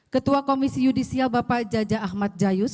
ketua komisi yudisial bapak jaja ahmad jayus